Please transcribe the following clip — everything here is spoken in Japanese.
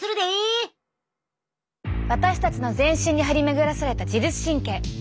私たちの全身に張り巡らされた自律神経。